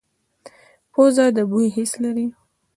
پوزه د بوی حس لري